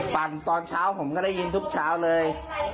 ปั่นตอนเช้าผมก็ได้ยินทุกเช้าเลย